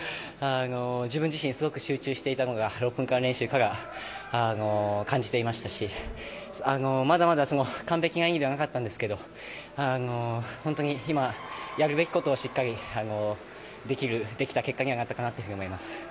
自分自身すごく集中していたのが６分間練習から感じていましたしまだまだ完璧な演技ではなかったんですが本当に今、やるべきことをしっかりできた結果になったと思います。